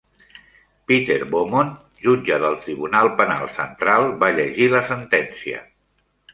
Peter Beaumont, jutge del Tribunal Penal Central, va llegir la sentència.